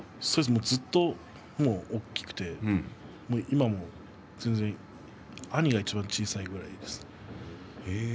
ずっと大きくて今も兄がいちばん小さいぐらいです。